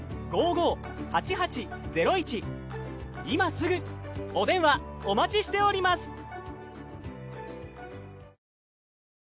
今すぐお電話お待ちしております。